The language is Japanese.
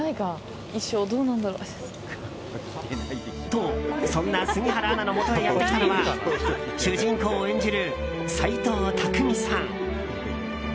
と、そんな杉原アナのもとへやってきたのは主人公を演じる斎藤工さん。